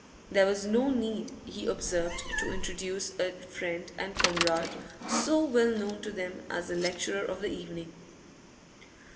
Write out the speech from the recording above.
There was no need, he observed, to introduce a friend and comrade so well known to them as the lecturer of the evening.